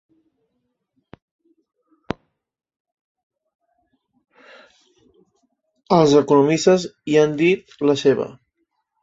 Els economistes hi han dit la seva.